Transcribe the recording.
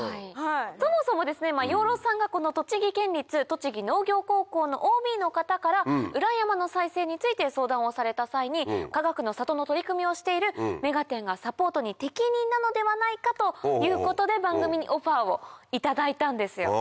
そもそも養老さんがこの栃木県立栃木農業高校のＯＢの方から裏山の再生について相談をされた際にかがくの里の取り組みをしている『目がテン！』がサポートに適任なのではないかということで番組にオファーを頂いたんですよ。